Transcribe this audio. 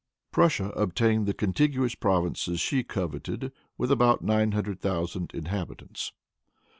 Prussia obtained the contiguous provinces she coveted, with about nine hundred thousand inhabitants.